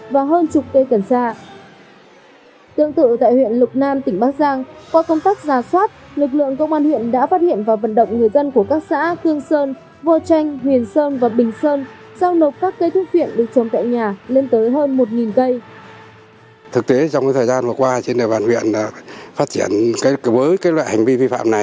văn viện phát triển với loại hành vi vi phạm này